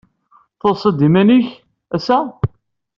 Tusid-d i yiman-nnek, ass-a?